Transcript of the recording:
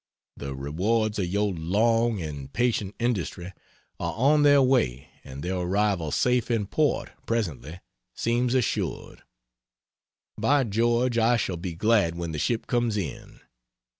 The rewards of your long and patient industry are on their way, and their arrival safe in port, presently, seems assured. By George, I shall be glad when the ship comes in!